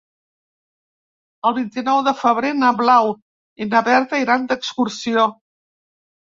El vint-i-nou de febrer na Blau i na Berta iran d'excursió.